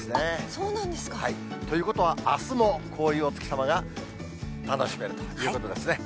そうなんですか。ということは、あすもこういうお月様が楽しめるということですね。